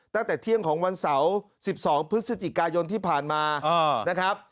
ตั้งแต่เที่ยงของวันเสาร์๑๒พฤศจิกายนที่ผ่านมานะครับ